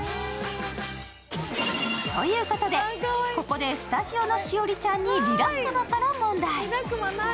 ということで、ここでスタジオの栞里ちゃんにリラックスから問題。